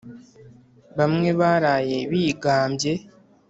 bamwe baraye bigabye